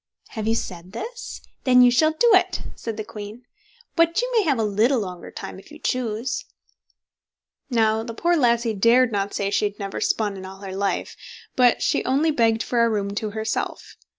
"Have you said this? then you shall do it", said the queen; "but you may have a little longer time if you choose." Now, the poor lassie dared not say she had never spun in all her life, but she only begged for a room to herself.